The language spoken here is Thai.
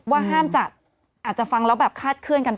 ว่าห้ามจัดอาจจะฟังแล้วแบบคาดเคลื่อนกันไป